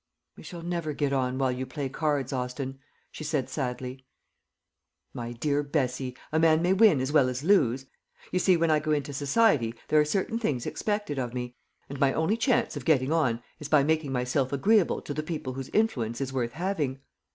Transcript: "We shall never get on while you play cards, Austin," she said sadly. "My dear Bessie, a man may win as well as lose. You see when I go into society there are certain things expected of me; and my only chance of getting on is by making myself agreeable to the people whose influence is worth having."